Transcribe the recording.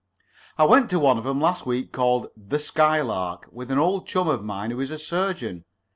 I went to one of 'em last week called 'The Skylark,' with an old chum of mine who is a surgeon.